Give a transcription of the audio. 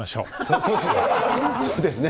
そうですね。